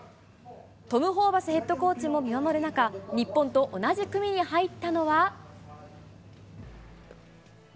トム・ホーバスヘッドコーチも見守る中、日本と同じ組に入ったのは。